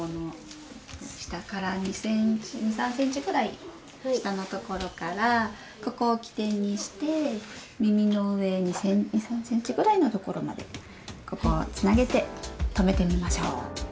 下から２３ｃｍぐらい下のところからここを起点にして耳の上２３ｃｍぐらいのところまでここをつなげてとめてみましょう。